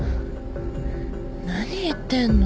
何言ってんの？